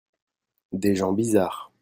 des gens bizarres.